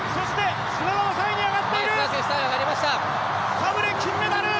サブレ、金メダル。